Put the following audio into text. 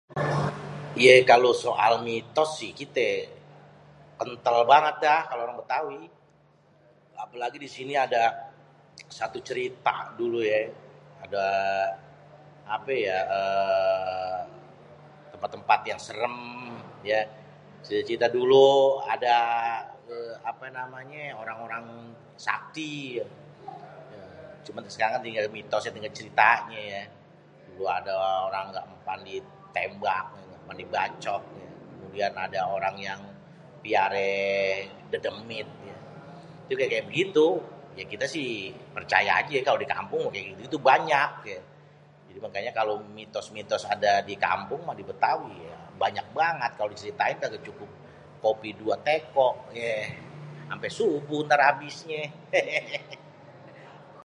Ye kalo soal mitos si kité kentel banget dah kalo orang-orang Bétawi. Apalagi di sini ada satu cerite dulu ye, adé ape ya eee tempat-tempat yang serem, cerita dulu eee apeé namenyé orang-orang sakti. Cuman sekarang tinggal mitosnya banyak ceritanyé yeé, dulu ada orang engga mempan ditembak, engga mempan dibacok. Kemudian ada orang yang piaré dedemit, itu kaya-kaya begitu kite si percaye aje kalo dikampung yang gitu-gitu banyak, makanya kalo mitos-mitos ada di kampung ya banyak bangat kalo diceritain kaga cukup kopi dua teko yé ampe subuh entar abisnyé [hehe].